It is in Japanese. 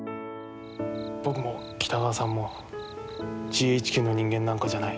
僕も北川さんもＧＨＱの人間なんかじゃない。